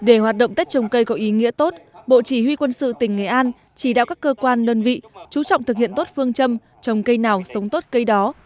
để hoạt động tết trồng cây có ý nghĩa tốt bộ chỉ huy quân sự tỉnh nghệ an chỉ đạo các cơ quan đơn vị chú trọng thực hiện tốt phương châm trồng cây nào sống tốt cây đó